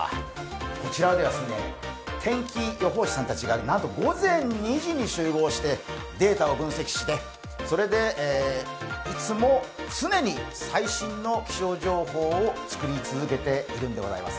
こちらでは天気予報士さんたちがなんと午前２時に集合してデータを分析して、それでいつも常に最新の気象情報を作り続けているんでございます。